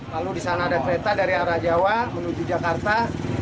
lalu disana ada kereta dari arah jawa menuju jakarta